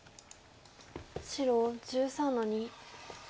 白１３の二。